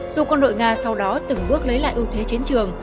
dù quân đội nga sau đó từng bước lấy lại ưu thế chiến trường